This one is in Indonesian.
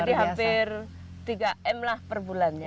jadi hampir tiga m lah per bulannya